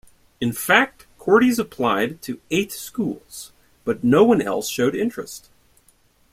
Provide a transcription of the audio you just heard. In fact, Cordes applied to eight schools, but no one else showed interest.